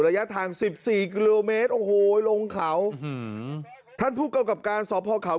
ระยะทางสิบสี่กิโลเมตรโอ้โหลงเขาอืมท่านผู้กำกับการสอบพ่อเขา